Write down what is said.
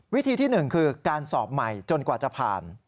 วิธีที่๑คือการสอบใหม่จนกว่าจะผ่าน